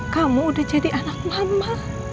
kamu udah jadi anak mama